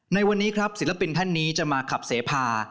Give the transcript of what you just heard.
ในวันนี้ครับศิลปินท่านนี้จะมาขับเสพา